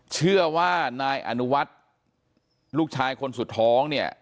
เชื่อว่านายอนุวัฒน์ลูกชายคนสุดท้องเนี่ย